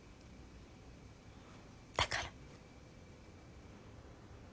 だから。